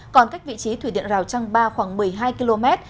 còn cách vị trí thủy điện rào trăng ba khoảng một mươi hai km